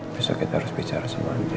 besok kita harus bicara sama andi